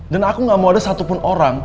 dan aku gak mau ada satupun orang